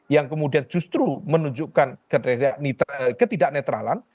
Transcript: yang kemudian justru menunjukkan ketidak netralan